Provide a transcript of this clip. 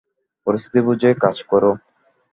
পরিস্থিতি বুঝে কাজ করো!